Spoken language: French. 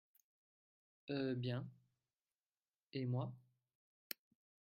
Eh bien, et moi ?